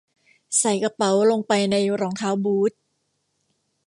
ใส่กระเป๋าลงไปในรองเท้าบูท